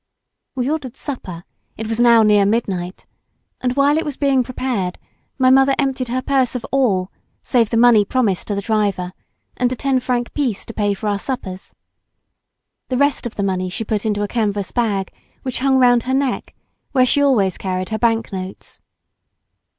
We ordered supper; it was now near midnight, and while it was being prepared, my mother emptied her purse of all, save the money promised to the driver, and a ten france piece to pay for our suppers. The rest of the money she put into a canvas bag which hung round her neck, where she always carried her bank notes.